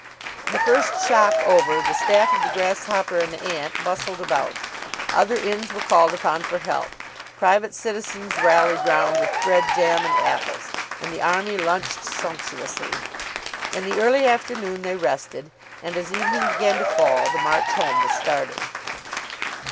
The first shock over, the staff of the "Grasshopper and Ant" bustled about. Other inns were called upon for help. Private citizens rallied round with bread, jam, and apples. And the army lunched sumptuously. In the early afternoon they rested, and as evening began to fall, the march home was started.